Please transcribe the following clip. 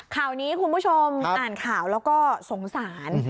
ข่าวนี้คุณผู้ชมอ่านข่าวแล้วก็สงสาร